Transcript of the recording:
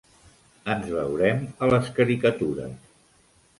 Ens veurem a les caricatures.